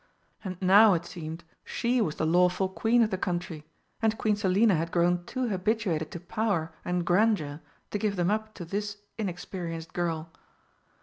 And now, it seemed, she was the lawful Queen of the country, and Queen Selina had grown too habituated to power and grandeur to give them up to this inexperienced girl.